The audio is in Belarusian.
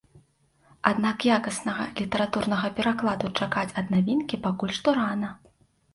Аднак якаснага літаратурнага перакладу чакаць ад навінкі пакуль што рана.